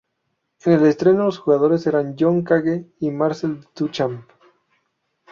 En el estreno, los jugadores eran John Cage y Marcel Duchamp.